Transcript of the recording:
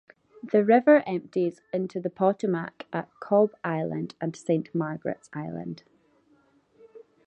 The river empties into the Potomac at Cobb Island and Saint Margaret's Island.